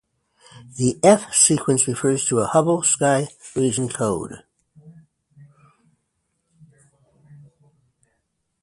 The F-sequence references a Hubble sky region code.